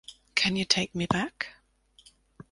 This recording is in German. Can You Take Me Back?